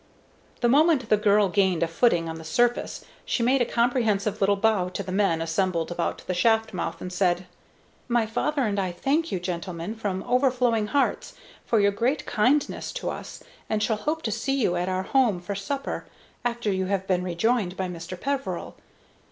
The moment the girl gained a footing on the surface she made a comprehensive little bow to the men assembled about the shaft mouth, and said: "My father and I thank you, gentlemen, from overflowing hearts, for your great kindness to us, and shall hope to see you at our home for supper, after you have been rejoined by Mr. Peveril.